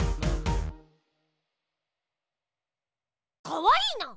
かわいいな。